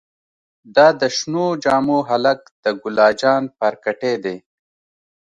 دا د شنو جامو هلک د ګلا جان پارکټې دې.